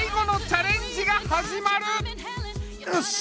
よし！